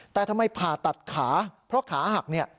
แต่ทำไมผ่าตัดขาเพราะขาหักเนี่ย